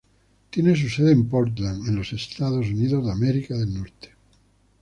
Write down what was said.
Tiene su sede en Portland, en los Estados Unidos.